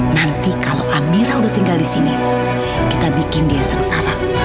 nanti kalau amira udah tinggal di sini kita bikin dia sengsara